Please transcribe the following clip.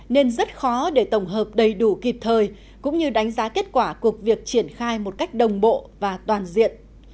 nên rất khó để tổng hợp đầy đủ kịp thời cũng như đánh giá kết quả cuộc việc triển khai một cách đồng bộ và toàn diện